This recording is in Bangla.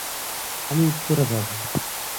আমি উত্তরে যাব।